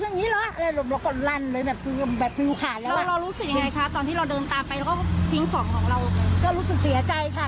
นี้ต้องที่นี่นะฮะหวือเราหวังไห้โหดเลย